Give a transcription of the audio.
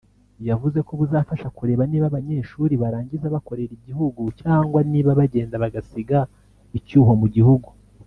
yavuze ko buzafasha kureba niba abanyeshuri barangiza bakorera igihugu cyangwa niba bagenda bagasiga icyuho mu gihugu